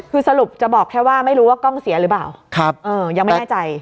คือสรุปจะบอกแค่ว่าไม่รู้ว่ากล้องเสียหรือเปล่ายังไม่แน่ใจ